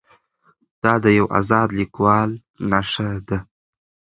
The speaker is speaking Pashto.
دا د یو ازاد لیکوال نښه ده.